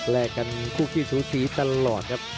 แลกกันคู่คิดชูศรีตลอดครับ